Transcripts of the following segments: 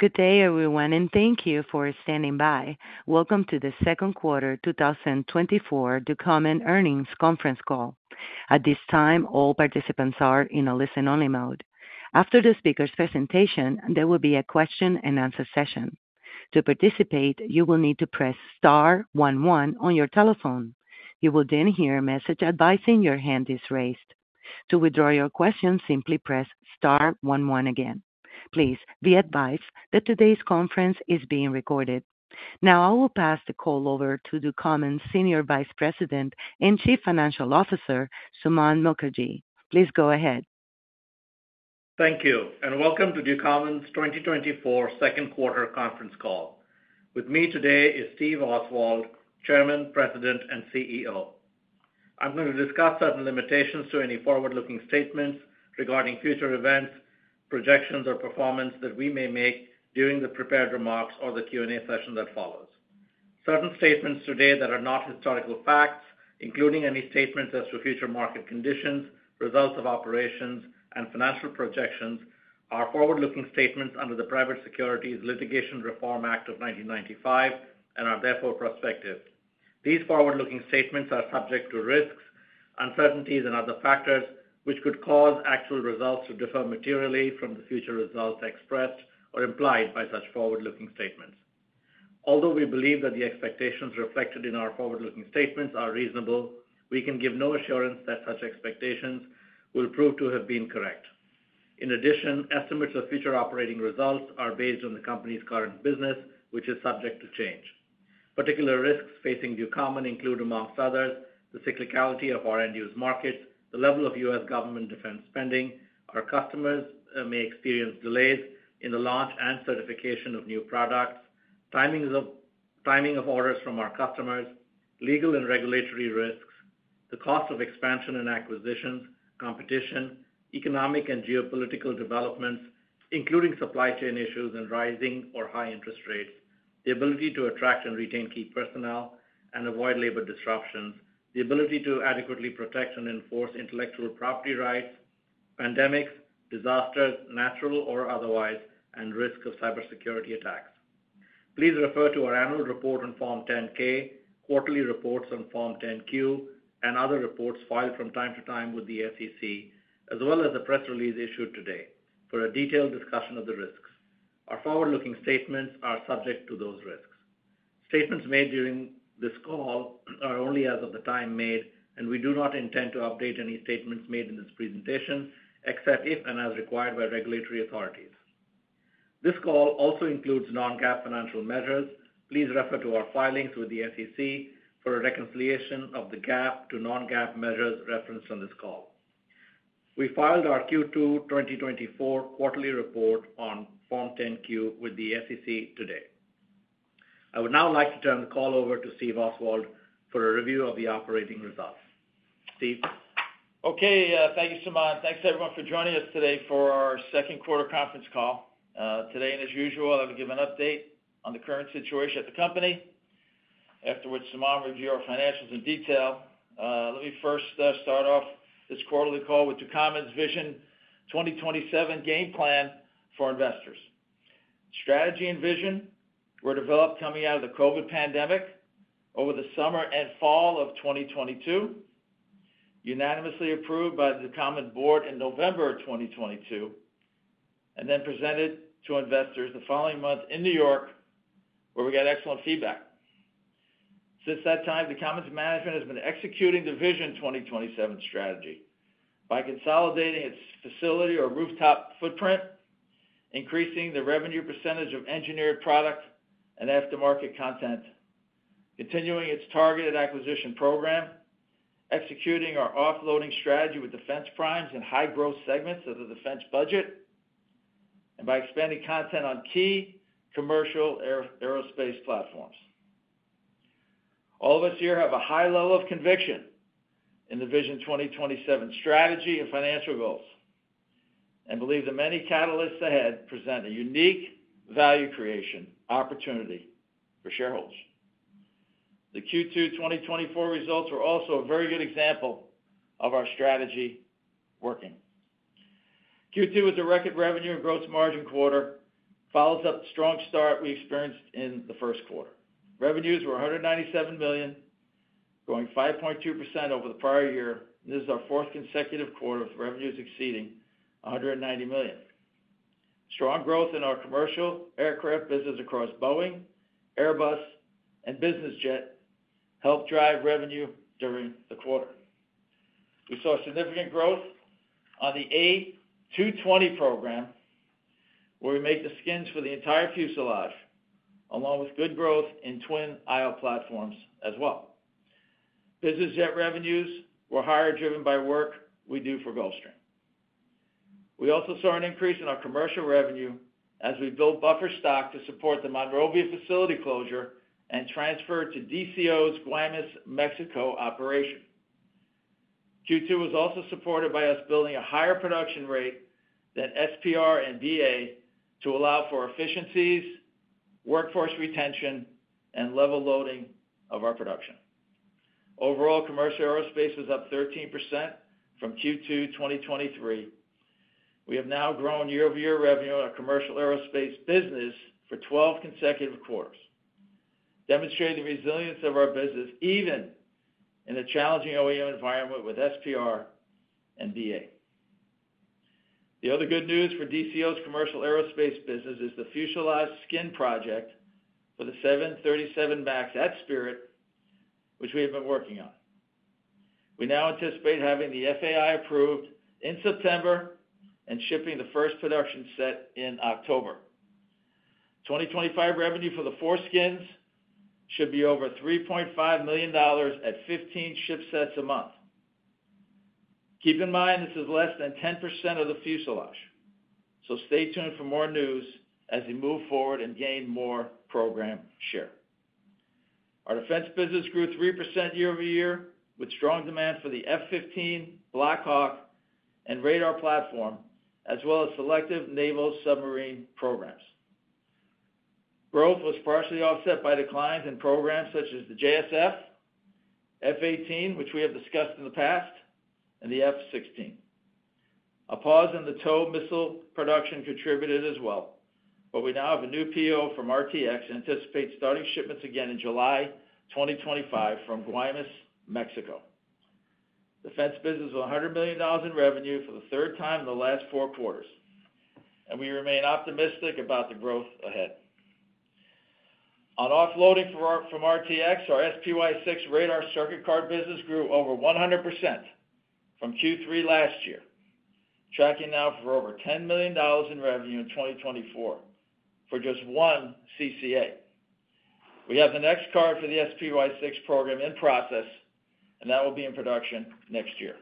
Good day, everyone, and thank you for standing by. Welcome to the second quarter 2024 Ducommun Earnings Conference Call. At this time, all participants are in a listen-only mode. After the speaker's presentation, there will be a question-and-answer session. To participate, you will need to press star one one on your telephone. You will then hear a message advising your hand is raised. To withdraw your question, simply press star one one again. Please be advised that today's conference is being recorded. Now, I will pass the call over to Ducommun's Senior Vice President and Chief Financial Officer, Suman Mookerji. Please go ahead. Thank you, and welcome to Ducommun's 2024 second quarter conference call. With me today is Steve Oswald, Chairman, President, and CEO. I'm gonna discuss certain limitations to any forward-looking statements regarding future events, projections, or performance that we may make during the prepared remarks or the Q&A session that follows. Certain statements today that are not historical facts, including any statements as to future market conditions, results of operations, and financial projections, are forward-looking statements under the Private Securities Litigation Reform Act of 1995 and are therefore prospective. These forward-looking statements are subject to risks, uncertainties, and other factors, which could cause actual results to differ materially from the future results expressed or implied by such forward-looking statements. Although we believe that the expectations reflected in our forward-looking statements are reasonable, we can give no assurance that such expectations will prove to have been correct. In addition, estimates of future operating results are based on the company's current business, which is subject to change. Particular risks facing Ducommun include, among others, the cyclicality of our end-use markets, the level of U.S. government defense spending. Our customers may experience delays in the launch and certification of new products, timing of orders from our customers, legal and regulatory risks, the cost of expansion and acquisitions, competition, economic and geopolitical developments, including supply chain issues and rising or high interest rates, the ability to attract and retain key personnel and avoid labor disruptions, the ability to adequately protect and enforce intellectual property rights, pandemics, disasters, natural or otherwise, and risk of cybersecurity attacks. Please refer to our annual report on Form 10-K, quarterly reports on Form 10-Q, and other reports filed from time to time with the SEC, as well as the press release issued today for a detailed discussion of the risks. Our forward-looking statements are subject to those risks. Statements made during this call are only as of the time made, and we do not intend to update any statements made in this presentation, except if and as required by regulatory authorities. This call also includes non-GAAP financial measures. Please refer to our filings with the SEC for a reconciliation of the GAAP to non-GAAP measures referenced on this call. We filed our Q2 2024 quarterly report on Form 10-Q with the SEC today. I would now like to turn the call over to Steve Oswald for a review of the operating results. Steve? Okay, thank you, Suman. Thanks, everyone, for joining us today for our second quarter conference call. Today, and as usual, I will give an update on the current situation at the company. Afterwards, Suman will review our financials in detail. Let me first, start off this quarterly call with Ducommun's Vision 2027 game plan for investors. Strategy and vision were developed coming out of the COVID pandemic over the summer and fall of 2022, unanimously approved by the Ducommun board in November of 2022, and then presented to investors the following month in New York, where we got excellent feedback. Since that time, Ducommun's management has been executing the Vision 2027 strategy by consolidating its facility or rooftop footprint, increasing the revenue percentage of engineered product and aftermarket content, continuing its targeted acquisition program, executing our offloading strategy with defense primes and high-growth segments of the defense budget, and by expanding content on key commercial air, aerospace platforms. All of us here have a high level of conviction in the Vision 2027 strategy and financial goals, and believe the many catalysts ahead present a unique value creation opportunity for shareholders. The Q2 2024 results were also a very good example of our strategy working. Q2 was a record revenue and gross margin quarter, follows up the strong start we experienced in the first quarter. Revenues were $197 million, growing 5.2% over the prior year. This is our fourth consecutive quarter of revenues exceeding $190 million. Strong growth in our commercial aircraft business across Boeing, Airbus, and business jet helped drive revenue during the quarter. We saw significant growth on the A220 program, where we make the skins for the entire fuselage, along with good growth in twin aisle platforms as well. Business jet revenues were higher, driven by work we do for Gulfstream. We also saw an increase in our commercial revenue as we built buffer stock to support the Monrovia facility closure and transfer to DCO's Guaymas, Mexico, operation. Q2 was also supported by us building a higher production rate than SPR and BA to allow for efficiencies, workforce retention, and level loading of our production.... Overall, commercial aerospace was up 13% from Q2 2023. We have now grown year-over-year revenue on our commercial aerospace business for 12 consecutive quarters, demonstrating the resilience of our business, even in a challenging OEM environment with SPR and BA. The other good news for DCO's commercial aerospace business is the fuselage skin project for the 737 MAX at Spirit, which we have been working on. We now anticipate having the FAI approved in September and shipping the first production set in October. 2025 revenue for the four skins should be over $3.5 million at 15 ship sets a month. Keep in mind, this is less than 10% of the fuselage, so stay tuned for more news as we move forward and gain more program share. Our defense business grew 3% year-over-year, with strong demand for the F-15, Black Hawk, and radar platform, as well as selective naval submarine programs. Growth was partially offset by declines in programs such as the JSF, F-18, which we have discussed in the past, and the F-16. A pause in the TOW missile production contributed as well, but we now have a new PO from RTX and anticipate starting shipments again in July 2025 from Guaymas, Mexico. Defense business is $100 million in revenue for the third time in the last four quarters, and we remain optimistic about the growth ahead. On offloading from RTX, our SPY-6 radar circuit card business grew over 100% from Q3 last year, tracking now for over $10 million in revenue in 2024 for just one CCA. We have the next card for the SPY-6 program in process, and that will be in production next year.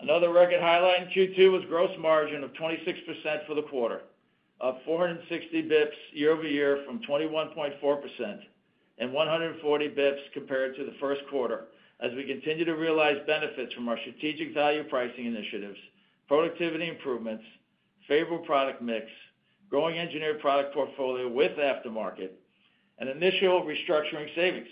Another record highlight in Q2 was gross margin of 26% for the quarter, up 460 basis points year-over-year from 21.4% and 140 basis points compared to the first quarter, as we continue to realize benefits from our strategic value pricing initiatives, productivity improvements, favorable product mix, growing engineered product portfolio with aftermarket, and initial restructuring savings.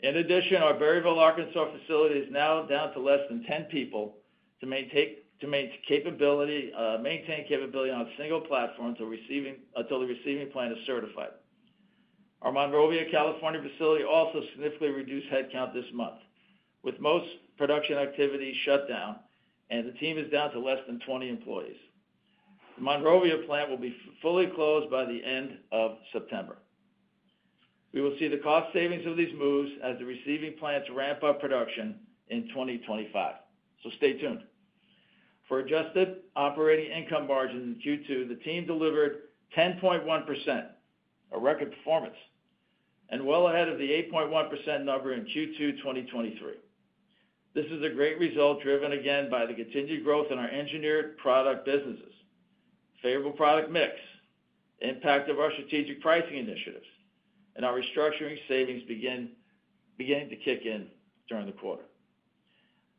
In addition, our Berryville, Arkansas facility is now down to less than 10 people to maintain capability on single platforms or receiving until the receiving plant is certified. Our Monrovia, California, facility also significantly reduced headcount this month, with most production activity shut down and the team is down to less than 20 employees. The Monrovia plant will be fully closed by the end of September. We will see the cost savings of these moves as the receiving plants ramp up production in 2025, so stay tuned. For adjusted operating income margin in Q2, the team delivered 10.1%, a record performance, and well ahead of the 8.1% number in Q2 2023. This is a great result, driven again by the continued growth in our engineered product businesses, favorable product mix, the impact of our strategic pricing initiatives, and our restructuring savings beginning to kick in during the quarter.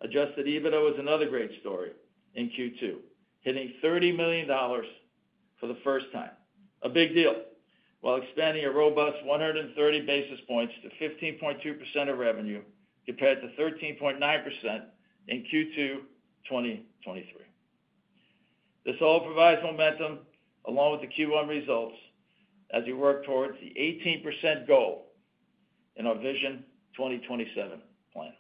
Adjusted EBITDA was another great story in Q2, hitting $30 million for the first time, a big deal, while expanding a robust 130 basis points to 15.2% of revenue, compared to 13.9% in Q2 2023. This all provides momentum along with the Q1 results as we work towards the 18% goal in our Vision 2027 plan.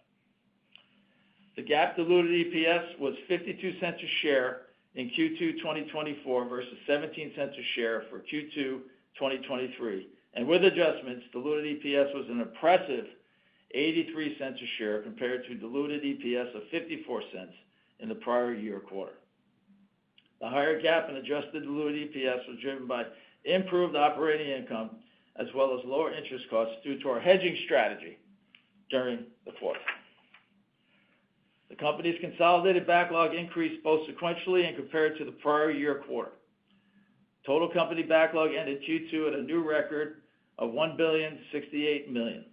The GAAP diluted EPS was $0.52 a share in Q2 2024 versus $0.17 a share for Q2 2023. And with adjustments, diluted EPS was an impressive $0.83 a share compared to diluted EPS of $0.54 in the prior year quarter. The higher GAAP and adjusted diluted EPS was driven by improved operating income, as well as lower interest costs due to our hedging strategy during the quarter. The company's consolidated backlog increased both sequentially and compared to the prior year quarter. Total company backlog ended Q2 at a new record of $1,068 million,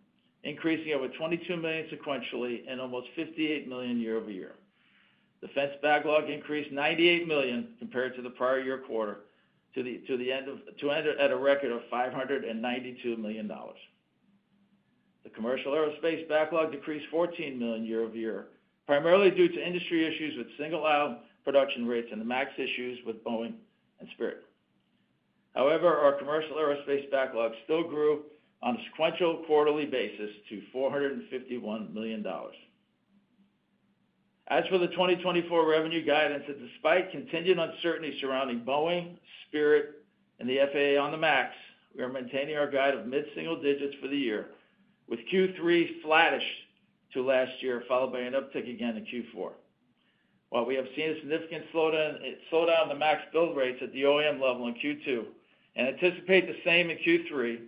increasing over $22 million sequentially and almost $58 million year-over-year. Defense backlog increased $98 million compared to the prior year quarter, to end at a record of $592 million. The commercial aerospace backlog decreased $14 million year-over-year, primarily due to industry issues with single-aisle production rates and the MAX issues with Boeing and Spirit. However, our commercial aerospace backlog still grew on a sequential quarterly basis to $451 million. As for the 2024 revenue guidance, despite continued uncertainty surrounding Boeing, Spirit, and the FAA on the MAX, we are maintaining our guide of mid-single digits for the year, with Q3 flattish to last year, followed by an uptick again in Q4. While we have seen a significant slowdown in the MAX build rates at the OEM level in Q2 and anticipate the same in Q3,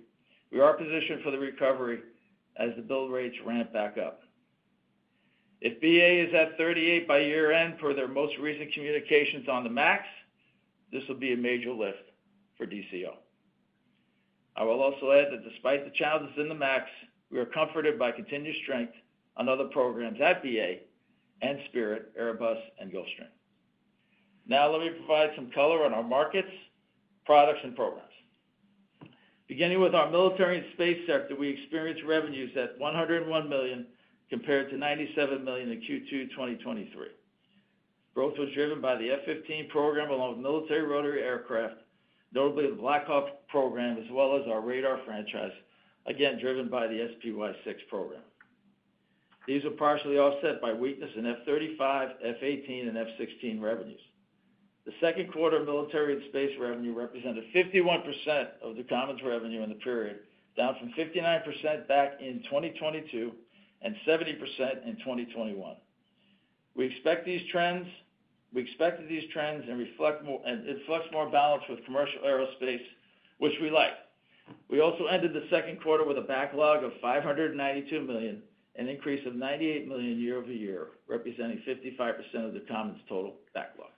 we are positioned for the recovery as the build rates ramp back up. If BA is at 38 by year-end per their most recent communications on the MAX, this will be a major lift for DCO. I will also add that despite the challenges in the MAX, we are comforted by continued strength on other programs at BA and Spirit, Airbus and Gulfstream.... Now let me provide some color on our markets, products, and programs. Beginning with our military and space sector, we experienced revenues at $101 million, compared to $97 million in Q2 2023. Growth was driven by the F-15 program, along with military rotary aircraft, notably the Black Hawk program, as well as our radar franchise, again, driven by the SPY-6 program. These were partially offset by weakness in F-35, F-18, and F-16 revenues. The second quarter military and space revenue represented 51% of the Ducommun's revenue in the period, down from 59% back in 2022, and 70% in 2021. We expected these trends, and it reflects more balance with commercial aerospace, which we like. We also ended the second quarter with a backlog of $592 million, an increase of $98 million year-over-year, representing 55% of the Ducommun's total backlog.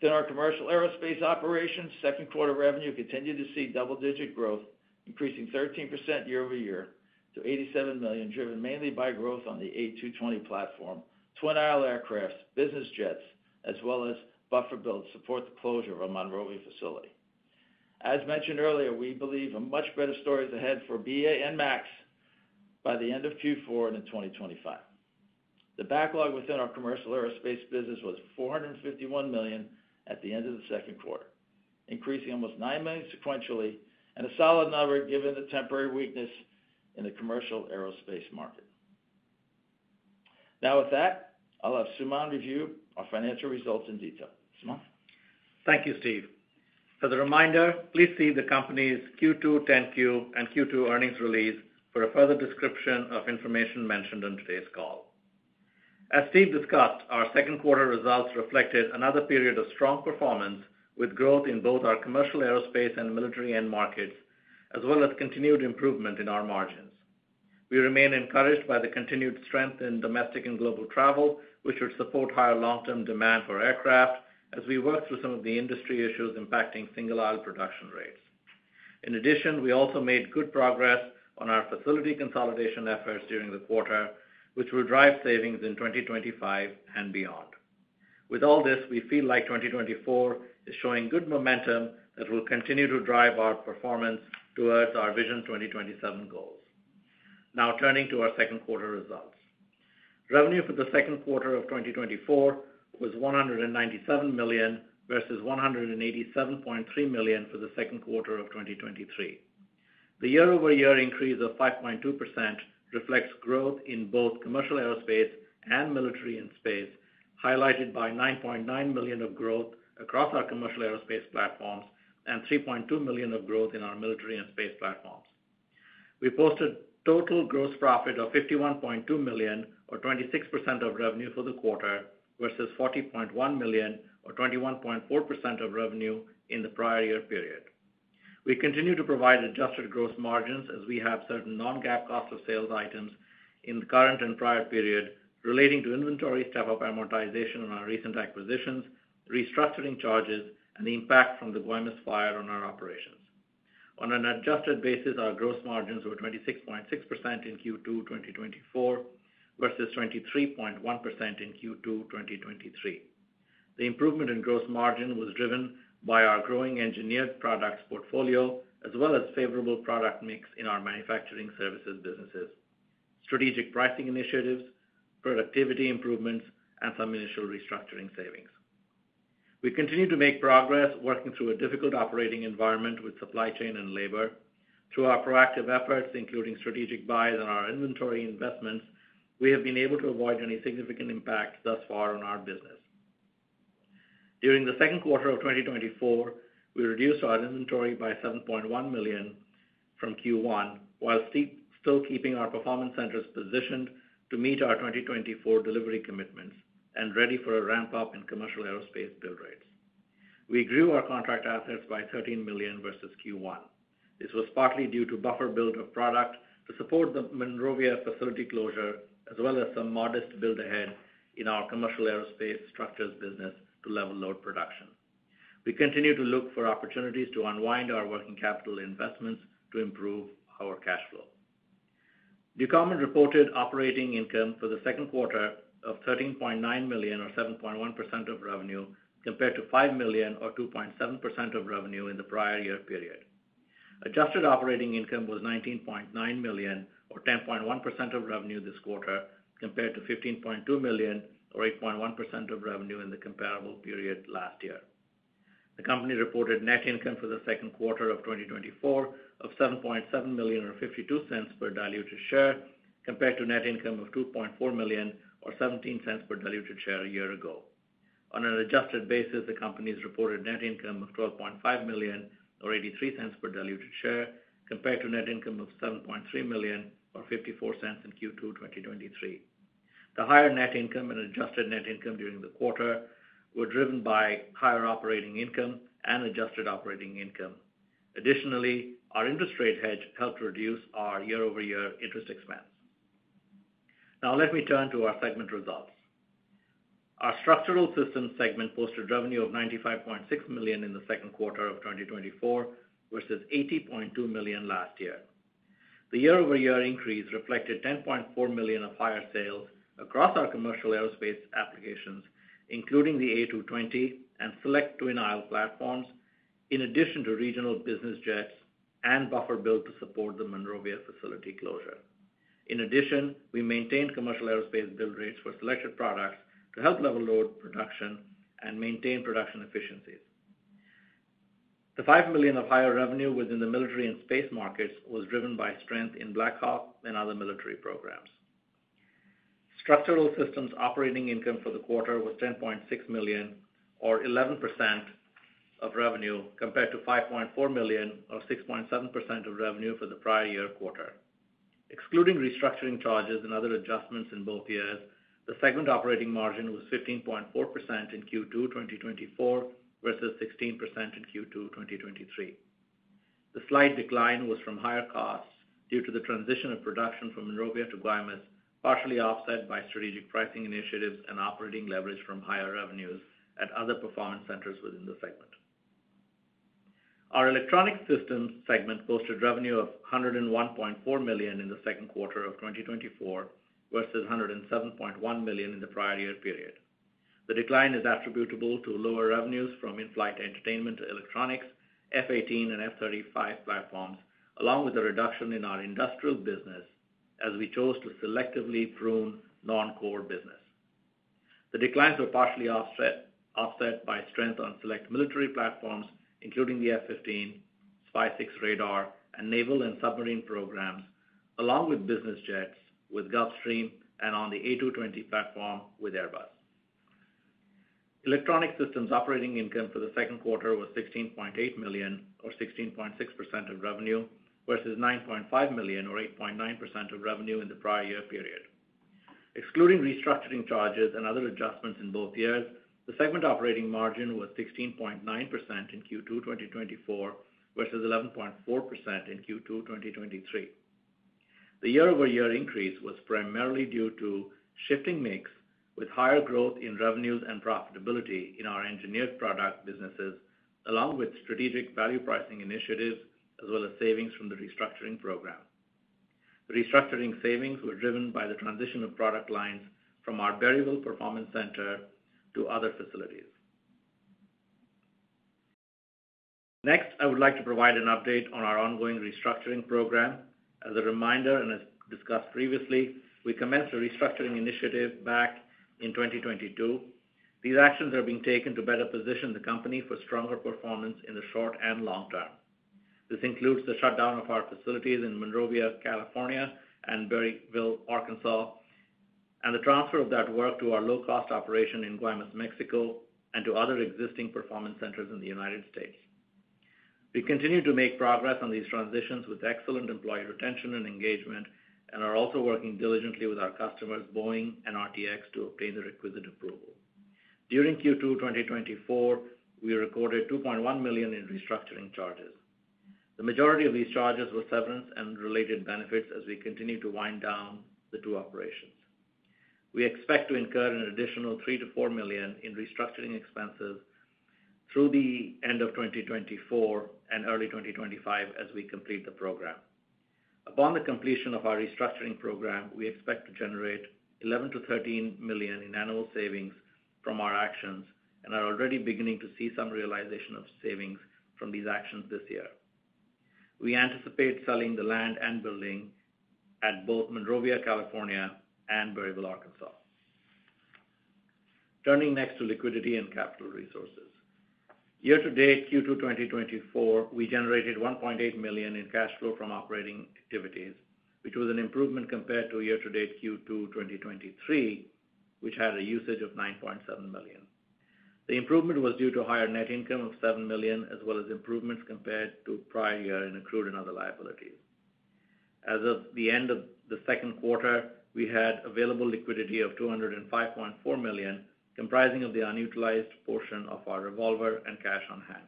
Within our commercial aerospace operations, second quarter revenue continued to see double-digit growth, increasing 13% year-over-year to $87 million, driven mainly by growth on the A220 platform, twin aisle aircraft, business jets, as well as buffer build to support the closure of our Monrovia facility. As mentioned earlier, we believe a much better story is ahead for BA and MAX by the end of Q4 into 2025. The backlog within our commercial aerospace business was $451 million at the end of the second quarter, increasing almost $9 million sequentially, and a solid number given the temporary weakness in the commercial aerospace market. Now, with that, I'll have Suman review our financial results in detail. Suman? Thank you, Steve. As a reminder, please see the company's Q2 10-Q and Q2 earnings release for a further description of information mentioned on today's call. As Steve discussed, our second quarter results reflected another period of strong performance, with growth in both our commercial, aerospace, and military end markets, as well as continued improvement in our margins. We remain encouraged by the continued strength in domestic and global travel, which should support higher long-term demand for aircraft as we work through some of the industry issues impacting single aisle production rates. In addition, we also made good progress on our facility consolidation efforts during the quarter, which will drive savings in 2025 and beyond. With all this, we feel like 2024 is showing good momentum that will continue to drive our performance towards our Vision 2027 goals. Now, turning to our second quarter results. Revenue for the second quarter of 2024 was $197 million versus $187.3 million for the second quarter of 2023. The year-over-year increase of 5.2% reflects growth in both commercial, aerospace, and military and space, highlighted by $9.9 million of growth across our commercial aerospace platforms and $3.2 million of growth in our military and space platforms. We posted total gross profit of $51.2 million, or 26% of revenue for the quarter, versus $40.1 million, or 21.4% of revenue in the prior year period. We continue to provide adjusted gross margins as we have certain Non-GAAP cost of sales items in the current and prior period relating to inventory, step-up amortization on our recent acquisitions, restructuring charges, and the impact from the Guaymas fire on our operations. On an adjusted basis, our gross margins were 26.6% in Q2 2024, versus 23.1% in Q2 2023. The improvement in gross margin was driven by our growing engineered products portfolio, as well as favorable product mix in our manufacturing services businesses, strategic pricing initiatives, productivity improvements, and some initial restructuring savings. We continue to make progress working through a difficult operating environment with supply chain and labor. Through our proactive efforts, including strategic buys on our inventory investments, we have been able to avoid any significant impact thus far on our business. During the second quarter of 2024, we reduced our inventory by $7.1 million from Q1, while still keeping our performance centers positioned to meet our 2024 delivery commitments and ready for a ramp-up in commercial aerospace build rates. We grew our contract assets by $13 million versus Q1. This was partly due to buffer build of product to support the Monrovia facility closure, as well as some modest build ahead in our commercial aerospace structures business to level load production. We continue to look for opportunities to unwind our working capital investments to improve our cash flow. The company reported operating income for the second quarter of $13.9 million, or 7.1% of revenue, compared to $5 million or 2.7% of revenue in the prior year period. Adjusted Operating Income was $19.9 million, or 10.1% of revenue this quarter, compared to $15.2 million, or 8.1% of revenue in the comparable period last year. The company reported net income for the second quarter of 2024 of $7.7 million or $0.52 per diluted share, compared to net income of $2.4 million or $0.17 per diluted share a year ago. On an adjusted basis, the company's reported net income of $12.5 million or $0.83 per diluted share, compared to net income of $7.3 million or $0.54 in Q2 2023. The higher net income and adjusted net income during the quarter were driven by higher operating income and adjusted operating income. Additionally, our interest rate hedge helped reduce our year-over-year interest expense. Now let me turn to our segment results. Our Structural Systems segment posted revenue of $95.6 million in the second quarter of 2024, versus $80.2 million last year. The year-over-year increase reflected $10.4 million of higher sales across our commercial aerospace applications, including the A220 and select twin-aisle platforms, in addition to regional business jets and buffer build to support the Monrovia facility closure. In addition, we maintained commercial aerospace build rates for selected products to help level load production and maintain production efficiencies. The $5 million of higher revenue within the military and space markets was driven by strength in Black Hawk and other military programs. Structural Systems operating income for the quarter was $10.6 million or 11% of revenue, compared to $5.4 million or 6.7% of revenue for the prior year quarter. Excluding restructuring charges and other adjustments in both years, the segment operating margin was 15.4% in Q2 2024, versus 16% in Q2 2023. The slight decline was from higher costs due to the transition of production from Monrovia to Guaymas, partially offset by strategic pricing initiatives and operating leverage from higher revenues at other performance centers within the segment. Our Electronic Systems segment posted revenue of $101.4 million in the second quarter of 2024, versus $107.1 million in the prior year period. The decline is attributable to lower revenues from in-flight entertainment, electronics, F/A-18, and F-35 platforms, along with a reduction in our industrial business as we chose to selectively prune non-core business. The declines were partially offset by strength on select military platforms, including the F-15, SPY-6 radar, and naval and submarine programs, along with business jets, with Gulfstream and on the A220 platform with Airbus. Electronic Systems operating income for the second quarter was $16.8 million or 16.6% of revenue, versus $9.5 million or 8.9% of revenue in the prior year period. Excluding restructuring charges and other adjustments in both years, the segment operating margin was 16.9% in Q2 2024, versus 11.4% in Q2 2023. The year-over-year increase was primarily due to shifting mix, with higher growth in revenues and profitability in our engineered product businesses, along with strategic value pricing initiatives, as well as savings from the restructuring program. Restructuring savings were driven by the transition of product lines from our Berryville Performance Center to other facilities. Next, I would like to provide an update on our ongoing restructuring program. As a reminder, and as discussed previously, we commenced a restructuring initiative back in 2022. These actions are being taken to better position the company for stronger performance in the short and long term. This includes the shutdown of our facilities in Monrovia, California, and Berryville, Arkansas, and the transfer of that work to our low-cost operation in Guaymas, Mexico, and to other existing performance centers in the United States. We continue to make progress on these transitions with excellent employee retention and engagement, and are also working diligently with our customers, Boeing and RTX, to obtain the requisite approval. During Q2 2024, we recorded $2.1 million in restructuring charges. The majority of these charges were severance and related benefits as we continue to wind down the two operations. We expect to incur an additional $3 million-$4 million in restructuring expenses through the end of 2024 and early 2025 as we complete the program. Upon the completion of our restructuring program, we expect to generate $11 million-$13 million in annual savings from our actions and are already beginning to see some realization of savings from these actions this year. We anticipate selling the land and building at both Monrovia, California, and Berryville, Arkansas. Turning next to liquidity and capital resources. Year-to-date Q2 2024, we generated $1.8 million in cash flow from operating activities, which was an improvement compared to year-to-date Q2 2023, which had a usage of $9.7 million. The improvement was due to higher net income of $7 million, as well as improvements compared to prior year in accrued and other liabilities. As of the end of the second quarter, we had available liquidity of $205.4 million, comprising of the unutilized portion of our revolver and cash on hand.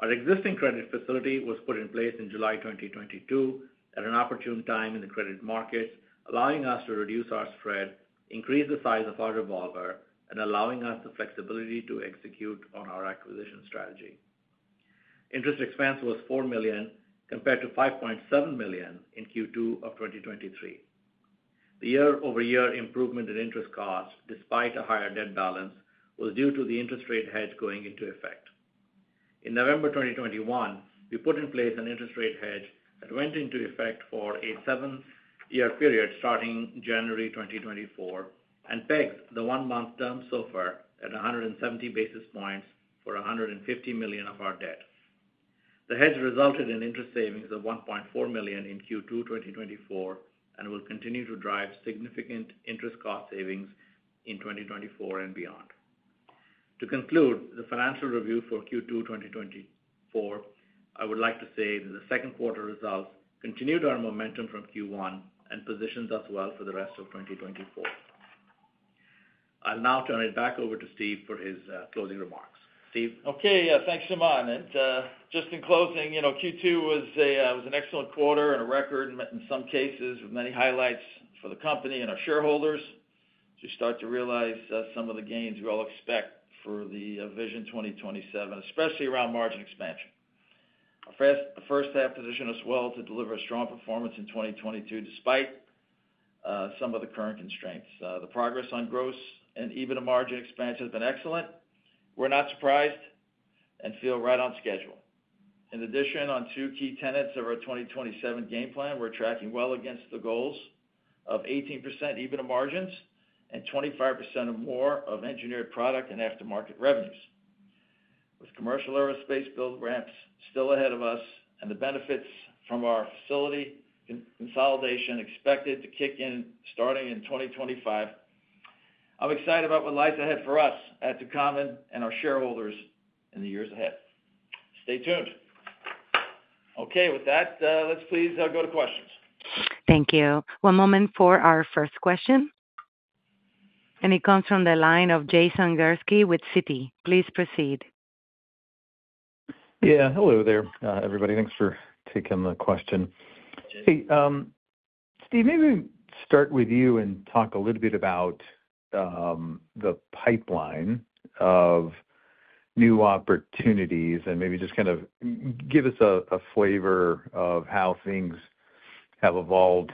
Our existing credit facility was put in place in July 2022, at an opportune time in the credit market, allowing us to reduce our spread, increase the size of our revolver, and allowing us the flexibility to execute on our acquisition strategy. Interest expense was $4 million, compared to $5.7 million in Q2 of 2023. The year-over-year improvement in interest costs, despite a higher debt balance, was due to the interest rate hedge going into effect. In November 2021, we put in place an interest rate hedge that went into effect for a seven-year period starting January 2024 and pegged the one-month Term SOFR at 170 basis points for $150 million of our debt. The hedge resulted in interest savings of $1.4 million in Q2 2024, and will continue to drive significant interest cost savings in 2024 and beyond. To conclude the financial review for Q2 2024, I would like to say that the second quarter results continued our momentum from Q1 and positions us well for the rest of 2024. I'll now turn it back over to Steve for his closing remarks. Steve? Okay, yeah, thanks, Suman. And just in closing, you know, Q2 was an excellent quarter and a record in some cases, with many highlights for the company and our shareholders... to start to realize some of the gains we all expect for the Vision 2027, especially around margin expansion. Our first half position is well to deliver a strong performance in 2022, despite some of the current constraints. The progress on gross and EBITDA margin expansion has been excellent. We're not surprised and feel right on schedule. In addition, on two key tenets of our 2027 game plan, we're tracking well against the goals of 18% EBITDA margins and 25% or more of engineered product and aftermarket revenues. With commercial aerospace build ramps still ahead of us, and the benefits from our facility consolidation expected to kick in starting in 2025, I'm excited about what lies ahead for us at Ducommun and our shareholders in the years ahead. Stay tuned. Okay, with that, let's please, go to questions. Thank you. One moment for our first question, and it comes from the line of Jason Gursky with Citi. Please proceed. Yeah, hello there, everybody. Thanks for taking the question. Hey, Steve, maybe start with you and talk a little bit about the pipeline of new opportunities, and maybe just kind of give us a flavor of how things have evolved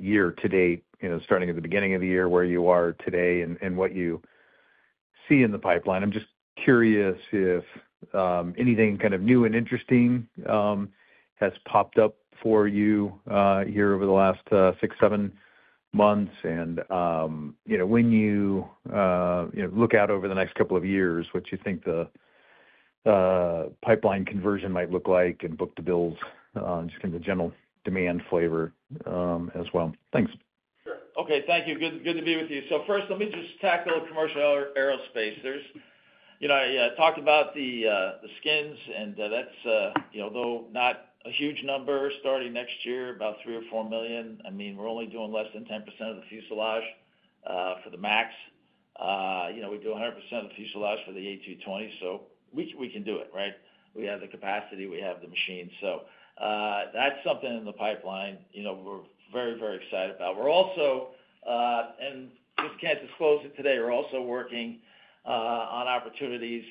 year to date, you know, starting at the beginning of the year, where you are today and what you see in the pipeline. I'm just curious if anything kind of new and interesting has popped up for you here over the last six-seven months. And you know, when you look out over the next couple of years, what you think the pipeline conversion might look like and book to bills, just kind of the general demand flavor as well. Thanks. Sure. Okay, thank you. Good, good to be with you. So first, let me just tackle commercial aerospace. There's—you know, I talked about the skins, and that's, you know, though, not a huge number, starting next year, about $3-$4 million. I mean, we're only doing less than 10% of the fuselage for the MAX. You know, we do 100% of the fuselage for the A220, so we can do it, right? We have the capacity, we have the machine. So that's something in the pipeline, you know, we're very, very excited about. We're also and just can't disclose it today, we're also working on opportunities,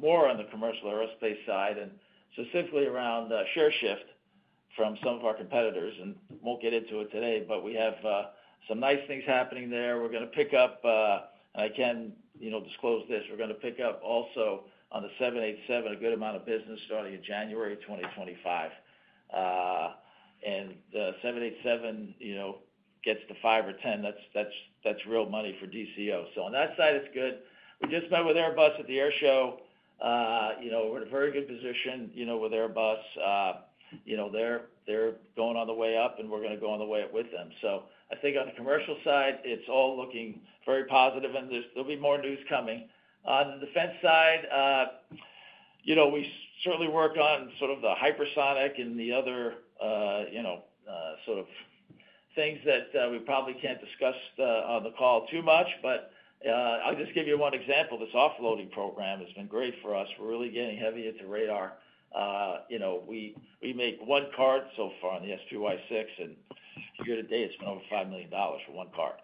more on the commercial aerospace side, and specifically around share shift from some of our competitors. And won't get into it today, but we have some nice things happening there. We're gonna pick up, and I can't, you know, disclose this, we're gonna pick up also on the 787, a good amount of business starting in January 2025. And the 787, you know, gets to 5 or 10, that's, that's, that's real money for DCO. So on that side, it's good. We just met with Airbus at the air show. You know, we're in a very good position, you know, with Airbus. You know, they're, they're going on the way up, and we're gonna go on the way up with them. So I think on the commercial side, it's all looking very positive, and there's, there'll be more news coming. On the defense side, you know, we certainly worked on sort of the hypersonic and the other, you know, sort of things that, we probably can't discuss, on the call too much. But, I'll just give you one example. This offloading program has been great for us. We're really getting heavy into radar. You know, we, we make one card so far, on the SPY-6, and to date, it's been over $5 million for one card.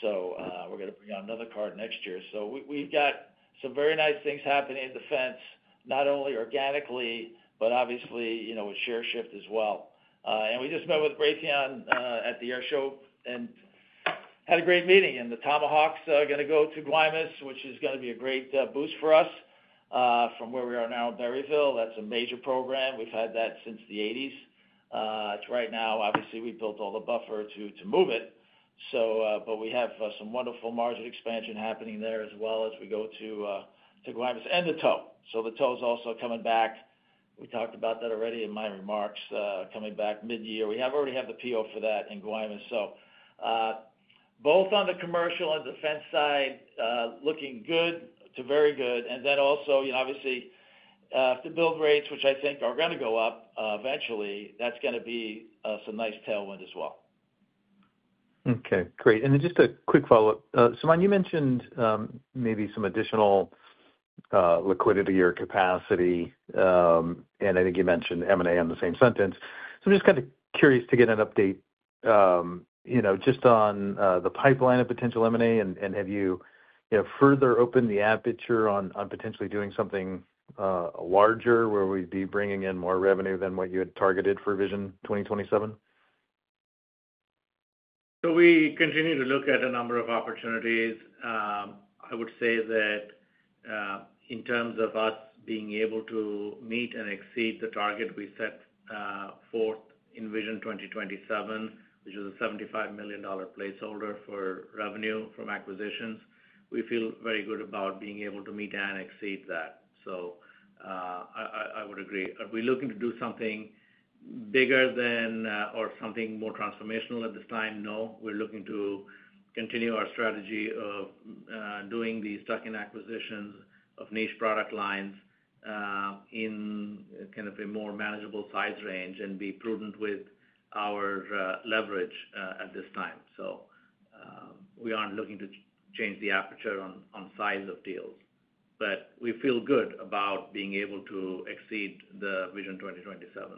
So, we're gonna bring out another card next year. So we, we've got some very nice things happening in defense, not only organically, but obviously, you know, with share shift as well. And we just met with Raytheon, at the air show and had a great meeting. The Tomahawks are gonna go to Guaymas, which is gonna be a great boost for us from where we are now in Berryville. That's a major program. We've had that since the 1980s. It's right now, obviously, we've built all the buffer to move it, so but we have some wonderful margin expansion happening there, as well as we go to Guaymas and the TOW. So the TOW is also coming back. We talked about that already in my remarks, coming back mid-year. We already have the PO for that in Guaymas. So both on the commercial and defense side, looking good to very good. And then also, you know, obviously, if the build rates, which I think are gonna go up eventually, that's gonna be some nice tailwind as well. Okay, great. And then just a quick follow-up. Suman, you mentioned maybe some additional liquidity or capacity, and I think you mentioned M&A in the same sentence. So I'm just kind of curious to get an update, you know, just on the pipeline of potential M&A, and have you, you know, further opened the aperture on potentially doing something larger, where we'd be bringing in more revenue than what you had targeted for Vision 2027? So we continue to look at a number of opportunities. I would say that, in terms of us being able to meet and exceed the target we set forth in Vision 2027, which is a $75 million placeholder for revenue from acquisitions, we feel very good about being able to meet and exceed that. So, I would agree. Are we looking to do something bigger than or something more transformational at this time? No, we're looking to continue our strategy of doing these tuck-in acquisitions of niche product lines in kind of a more manageable size range and be prudent with our leverage at this time. So, we aren't looking to change the aperture on size of deals, but we feel good about being able to exceed the Vision 2027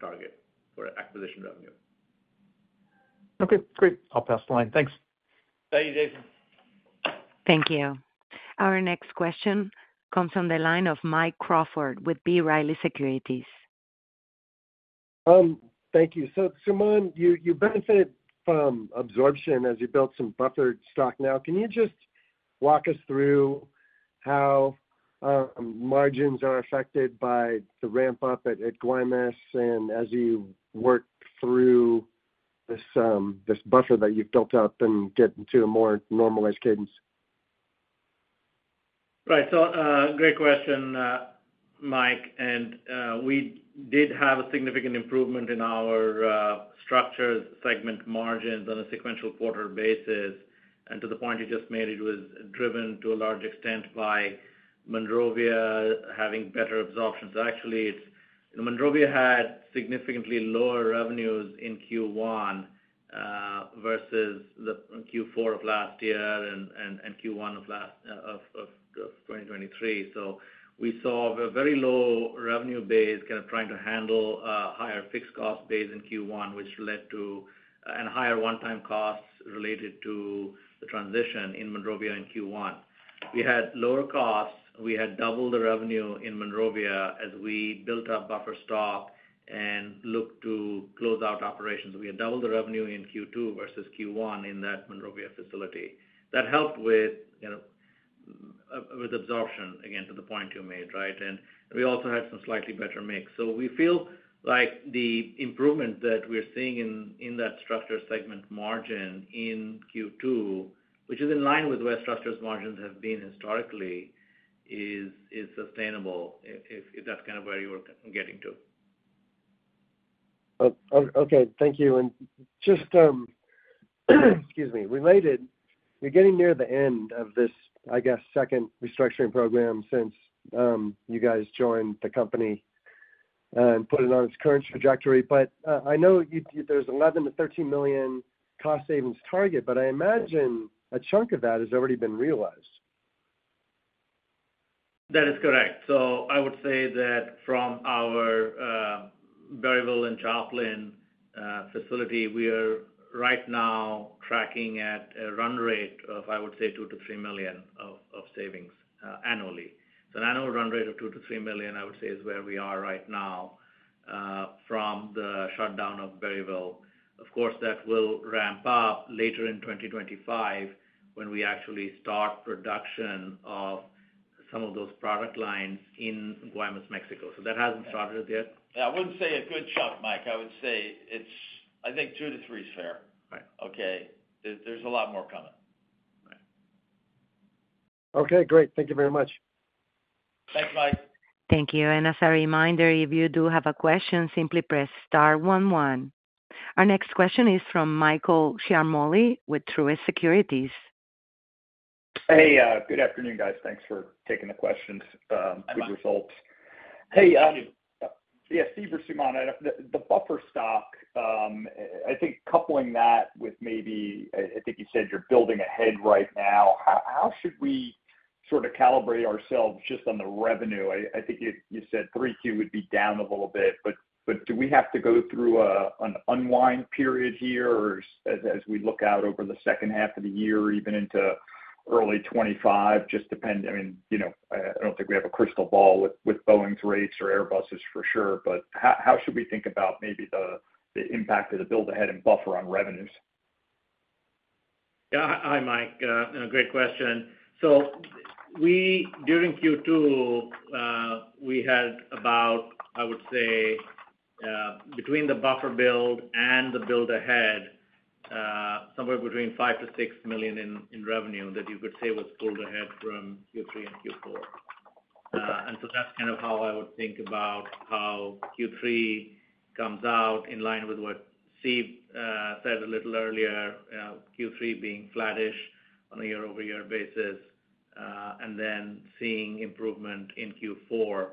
target for acquisition revenue. Okay, great. I'll pass the line. Thanks. Thank you, Jason. Thank you. Our next question comes from the line of Mike Crawford with B. Riley Securities. Thank you. So, Suman, you benefited from absorption as you built some buffer stock. Now, can you just walk us through how margins are affected by the ramp-up at Guaymas, and as you work through this buffer that you've built up and get to a more normalized cadence? Right. So, great question, Mike, and we did have a significant improvement in our structures segment margins on a sequential quarter basis. And to the point you just made, it was driven to a large extent by Monrovia having better absorptions. Actually, Monrovia had significantly lower revenues in Q1 versus the Q4 of last year and Q1 of 2023. So we saw a very low revenue base kind of trying to handle higher fixed cost base in Q1, which led to... and higher one-time costs related to the transition in Monrovia in Q1. We had lower costs. We had double the revenue in Monrovia as we built up buffer stock and looked to close out operations. We had doubled the revenue in Q2 versus Q1 in that Monrovia facility. That helped with, you know, with absorption, again, to the point you made, right? And we also had some slightly better mix. So we feel like the improvement that we're seeing in that structure segment margin in Q2, which is in line with where structures margins have been historically, is sustainable, if that's kind of where you were getting to. Oh, oh, okay. Thank you. And just excuse me, related, you're getting near the end of this, I guess, second restructuring program since you guys joined the company and put it on its current trajectory. But I know there's $11 million-$13 million cost savings target, but I imagine a chunk of that has already been realized. That is correct. So I would say that from our, Berryville and Joplin facility, we are right now tracking at a run rate of, I would say, $2 million-$3 million of savings annually. So an annual run rate of $2 million-$3 million, I would say, is where we are right now, from the shutdown of Berryville. Of course, that will ramp up later in 2025, when we actually start production of some of those product lines in Guaymas, Mexico. So that hasn't started yet. Yeah, I wouldn't say a good chunk, Mike. I would say it's, I think 2-3 is fair. Right. Okay? There's a lot more coming. Right. Okay, great. Thank you very much. Thanks, Mike. Thank you. As a reminder, if you do have a question, simply press Star one one. Our next question is from Michael Ciarmoli with Truist Securities. Hey, good afternoon, guys. Thanks for taking the questions, good results. Hi, Mike. Hey, yeah, Steve or Suman, the buffer stock, I think coupling that with maybe, I think you said you're building ahead right now. How should we sort of calibrate ourselves just on the revenue? I think you said Q3 would be down a little bit, but do we have to go through an unwind period here, or as we look out over the second half of the year or even into early 2025, just depend—I mean, you know, I don't think we have a crystal ball with Boeing's rates or Airbus's for sure, but how should we think about maybe the impact of the build ahead and buffer on revenues? Yeah. Hi, Mike, and a great question. So we during Q2, we had about, I would say, between the buffer build and the build ahead, somewhere between $5 million-$6 million in revenue that you could say was pulled ahead from Q3 and Q4. And so that's kind of how I would think about how Q3 comes out in line with what Steve said a little earlier, Q3 being flattish on a year-over-year basis, and then seeing improvement in Q4.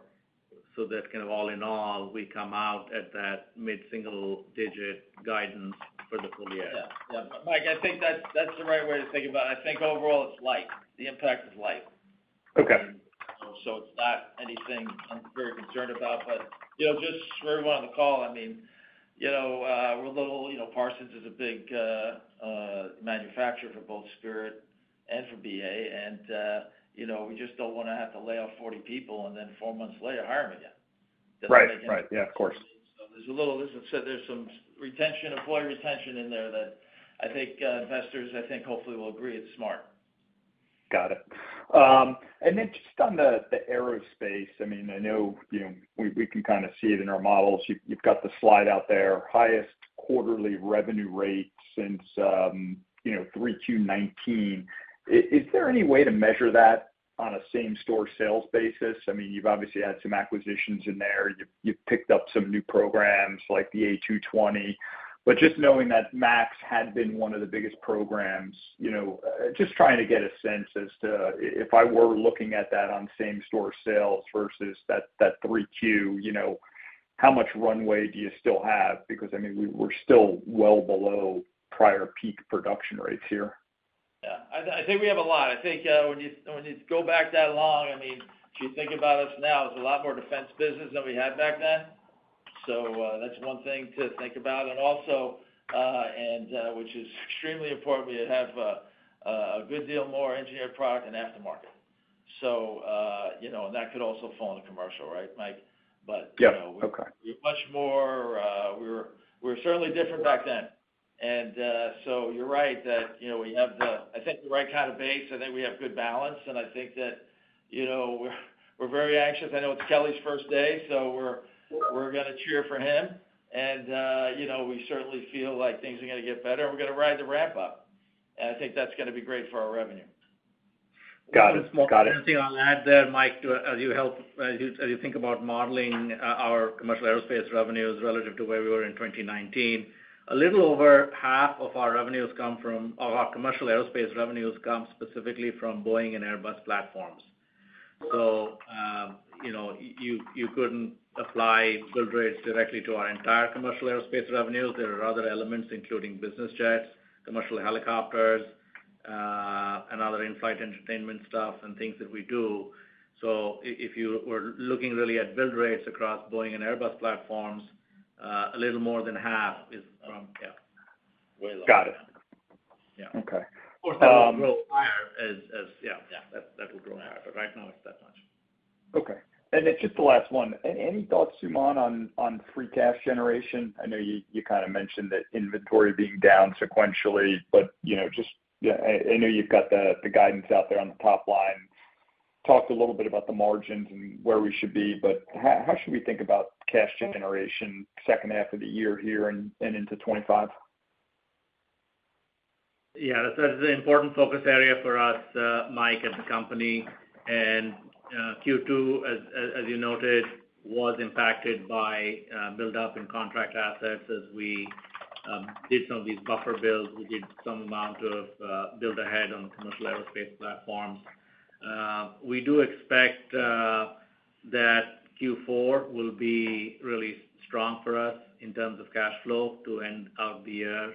So that kind of all in all, we come out at that mid-single digit guidance for the full year. Yeah. Yeah, Mike, I think that's, that's the right way to think about it. I think overall it's light. The impact is light. Okay. So it's not anything I'm very concerned about, but, you know, just for everyone on the call, I mean, you know, we're a little, you know, Parsons is a big manufacturer for both Spirit and for BA, and, you know, we just don't want to have to lay off 40 people and then four months later, hire them again. Right. Right. Yeah, of course. There's a little, as I said, there's some retention, employee retention in there that I think, investors, I think, hopefully will agree it's smart. Got it. And then just on the aerospace, I mean, I know, you know, we can kind of see it in our models. You've got the slide out there, highest quarterly revenue rate since, you know, 3Q2019. Is there any way to measure that on a same-store sales basis? I mean, you've obviously had some acquisitions in there. You've picked up some new programs like the A220. But just knowing that MAX had been one of the biggest programs, you know, just trying to get a sense as to if I were looking at that on same-store sales versus that 3Q2019, you know... how much runway do you still have? Because, I mean, we're still well below prior peak production rates here. Yeah, I think we have a lot. I think, when you go back that long, I mean, if you think about us now, there's a lot more defense business than we had back then. So, that's one thing to think about. And also, which is extremely important, we have a good deal more engineered product and aftermarket. So, you know, and that could also fall into commercial, right, Mike? But- Yes. Okay. You know, we're much more. We were certainly different back then. And so you're right that, you know, we have the right kind of base. I think we have good balance, and I think that, you know, we're very anxious. I know it's Kelly's first day, so we're gonna cheer for him. And you know, we certainly feel like things are gonna get better, and we're gonna ride the ramp up. And I think that's gonna be great for our revenue. Got it. Got it. One small thing I'll add there, Mike, to as you think about modeling our commercial aerospace revenues relative to where we were in 2019, a little over half of our revenues come from—or our commercial aerospace revenues come specifically from Boeing and Airbus platforms. So, you know, you couldn't apply build rates directly to our entire commercial aerospace revenues. There are other elements, including business jets, commercial helicopters, and other in-flight entertainment stuff and things that we do. So if you were looking really at build rates across Boeing and Airbus platforms, a little more than half is from, yeah, way less. Got it. Yeah. Okay, um- Of course, that will grow higher. Yeah, yeah, that will grow higher, but right now it's that much. Okay. And then just the last one. Any thoughts, Suman, on free cash generation? I know you kind of mentioned that inventory being down sequentially, but you know, just, yeah, I know you've got the guidance out there on the top line. Talked a little bit about the margins and where we should be, but how should we think about cash generation second half of the year here and into 2025? Yeah, that is an important focus area for us, Mike, as a company. Q2, as you noted, was impacted by build-up in contract assets as we did some of these buffer builds. We did some amount of build ahead on commercial aerospace platforms. We do expect that Q4 will be really strong for us in terms of cash flow to end out the year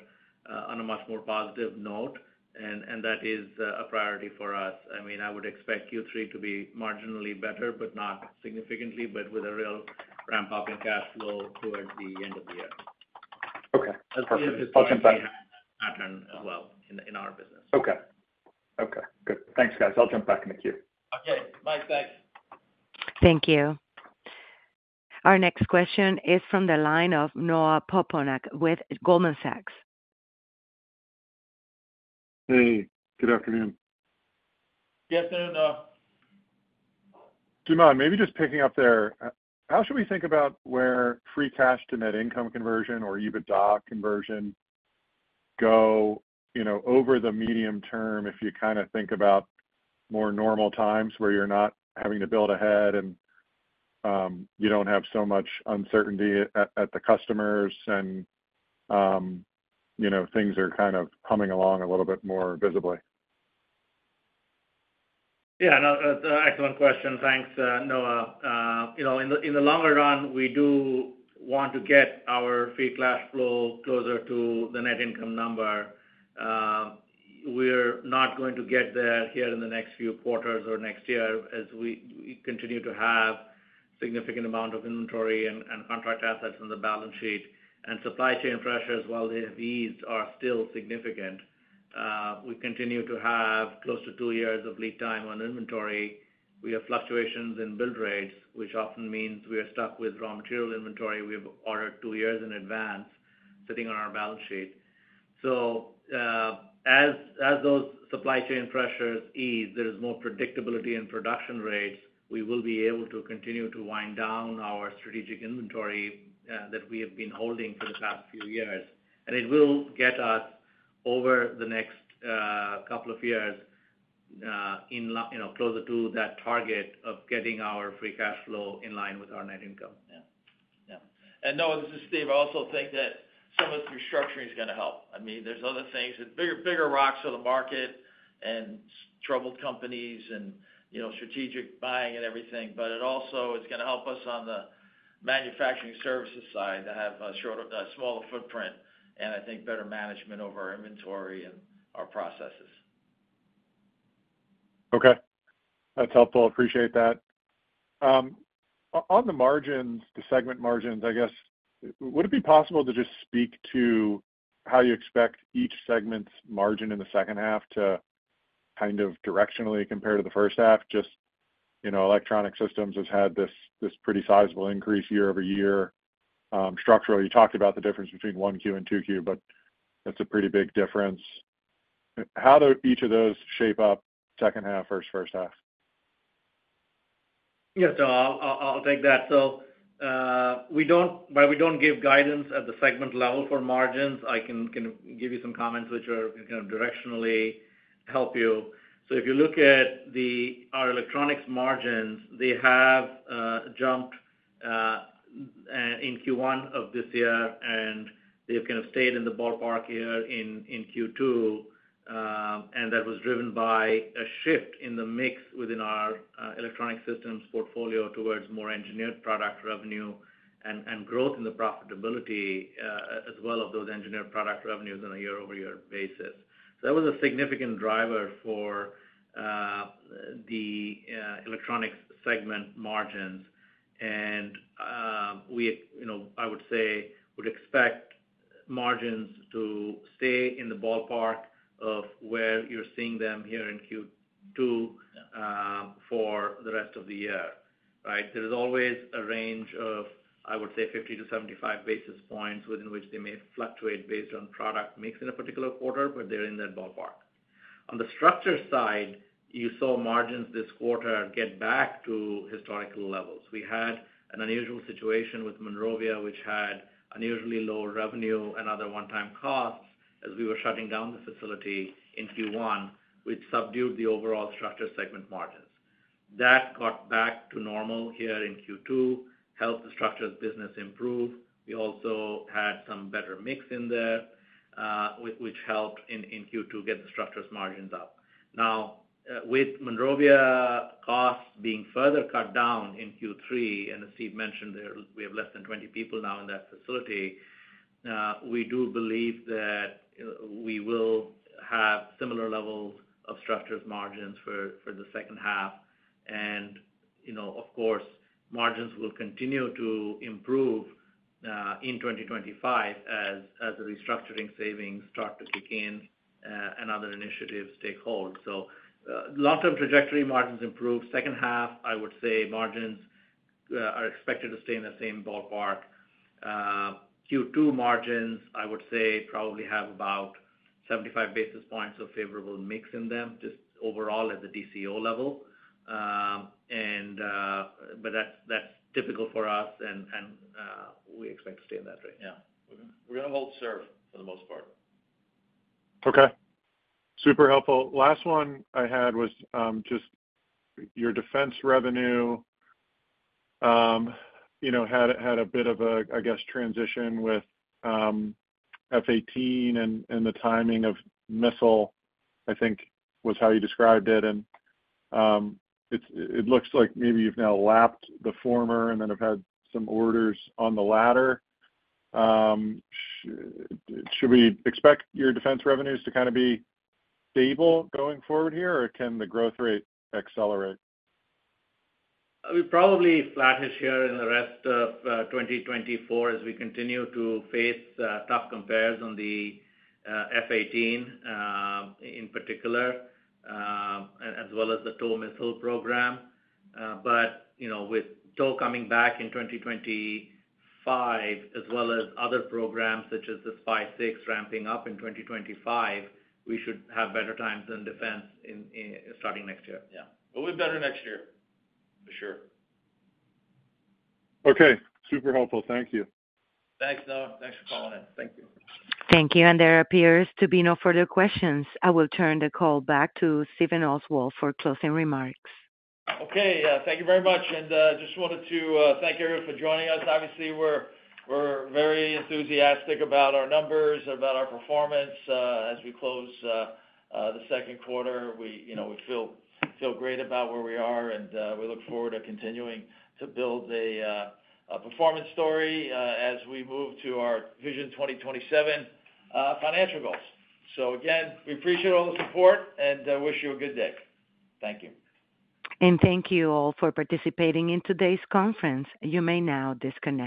on a much more positive note, and that is a priority for us. I mean, I would expect Q3 to be marginally better, but not significantly, but with a real ramp up in cash flow towards the end of the year. Okay, perfect. As we have seen that pattern as well in our business. Okay. Okay, good. Thanks, guys. I'll jump back in the queue. Okay, bye. Thanks. Thank you. Our next question is from the line of Noah Poponak with Goldman Sachs. Hey, good afternoon. Yes, sir, Noah. Suman, maybe just picking up there, how should we think about where free cash to net income conversion or EBITDA conversion go, you know, over the medium term, if you kind of think about more normal times where you're not having to build ahead, and you don't have so much uncertainty at the customers and, you know, things are kind of coming along a little bit more visibly? Yeah, no, excellent question. Thanks, Noah. You know, in the longer run, we do want to get our free cash flow closer to the net income number. We're not going to get there here in the next few quarters or next year, as we continue to have significant amount of inventory and contract assets on the balance sheet. And supply chain pressures, while they have eased, are still significant. We continue to have close to two years of lead time on inventory. We have fluctuations in build rates, which often means we are stuck with raw material inventory we have ordered two years in advance, sitting on our balance sheet. As those supply chain pressures ease, there is more predictability in production rates, we will be able to continue to wind down our strategic inventory that we have been holding for the past few years. And it will get us over the next couple of years, you know, closer to that target of getting our free cash flow in line with our net income. Yeah. Yeah. And Noah, this is Steve. I also think that some of the restructuring is gonna help. I mean, there's other things, there's bigger, bigger rocks on the market and troubled companies and, you know, strategic buying and everything, but it also, it's gonna help us on the manufacturing services side to have a shorter, a smaller footprint, and I think better management over our inventory and our processes. Okay. That's helpful. Appreciate that. On the margins, the segment margins, I guess, would it be possible to just speak to how you expect each segment's margin in the second half to kind of directionally compare to the first half? Just, you know, electronic systems has had this, this pretty sizable increase year-over-year. Structurally, you talked about the difference between one Q and two Q, but that's a pretty big difference. How do each of those shape up second half versus first half? Yes, so I'll take that. So, while we don't give guidance at the segment level for margins, I can give you some comments which are kind of directionally help you. So if you look at our electronics margins, they have jumped in Q1 of this year, and they've kind of stayed in the ballpark here in Q2. And that was driven by a shift in the mix within our electronic systems portfolio towards more engineered product revenue and growth in the profitability as well of those engineered product revenues on a year-over-year basis. So that was a significant driver for the electronics segment margins. We, you know, I would say, would expect margins to stay in the ballpark of where you're seeing them here in Q2, for the rest of the year, right? There is always a range of, I would say, 50-75 basis points within which they may fluctuate based on product mix in a particular quarter, but they're in that ballpark. On the structure side, you saw margins this quarter get back to historical levels. We had an unusual situation with Monrovia, which had unusually low revenue and other one-time costs as we were shutting down the facility in Q1, which subdued the overall structure segment margins. That got back to normal here in Q2, helped the structures business improve. We also had some better mix in there, which helped in Q2 get the structures margins up. Now, with Monrovia costs being further cut down in Q3, and as Steve mentioned, there, we have less than 20 people now in that facility, we do believe that, we will have similar levels of structures margins for, for the second half. And, you know, of course, margins will continue to improve, in 2025 as, as the restructuring savings start to kick in, and other initiatives take hold. So, long-term trajectory, margins improve. Second half, I would say margins, are expected to stay in the same ballpark. Q2 margins, I would say, probably have about 75 basis points of favorable mix in them, just overall at the DCO level. And, but that's, that's typical for us, and, we expect to stay in that rate. Yeah. We're gonna hold serve for the most part. Okay. Super helpful. Last one I had was just your defense revenue, you know, had a bit of a, I guess, transition with F-18 and the timing of missile, I think, was how you described it, and it looks like maybe you've now lapped the former and then have had some orders on the latter. Should we expect your defense revenues to kind of be stable going forward here, or can the growth rate accelerate? We probably flattish here in the rest of 2024, as we continue to face tough compares on the F-18, in particular, as well as the TOW missile program. But, you know, with TOW coming back in 2025, as well as other programs, such as the SPY-6 ramping up in 2025, we should have better times in defense -- starting next year. Yeah. It'll be better next year, for sure. Okay. Super helpful. Thank you. Thanks, Noah. Thanks for calling in. Thank you. Thank you, and there appears to be no further questions. I will turn the call back to Stephen Oswald for closing remarks. Okay, thank you very much, and just wanted to thank everyone for joining us. Obviously, we're very enthusiastic about our numbers, about our performance. As we close the second quarter, you know, we feel great about where we are, and we look forward to continuing to build a performance story as we move to our Vision 2027 financial goals. So again, we appreciate all the support and wish you a good day. Thank you. Thank you all for participating in today's conference. You may now disconnect.